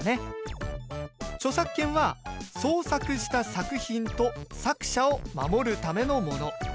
著作権は創作した作品と作者を守るためのもの。